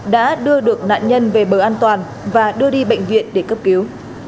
đã đưa được nạn nhân về bờ an toàn và đưa đi bệnh viện để cấp cứu